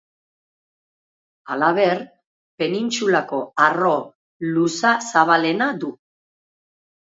Halaber, Penintsulako arro luza-zabalena du.